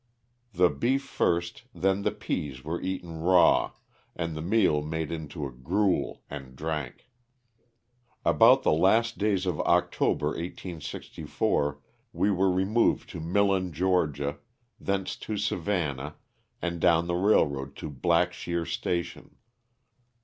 The beef first, then the peas were eaten raw and the meal made into a gruel and drank. About the last days of October, 1864, we were removed to Millen, Ga., thence to Savannah and down the railroad to Blackshear Station.